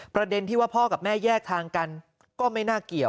ประเด็นที่ว่าพ่อกับแม่แยกทางกันก็ไม่น่าเกี่ยว